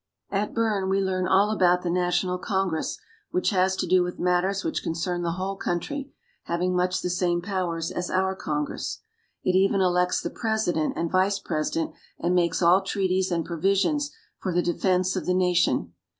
At Bern we learn all about the National Congress, which has to do with matters which concern the whole country, having much the same powers as our Congress. It even elects the president and vice president, and makes all treaties and provisions for the defense of the nation.